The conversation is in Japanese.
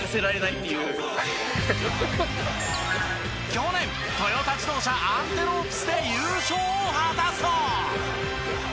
去年トヨタ自動車アンテロープスで優勝を果たすと。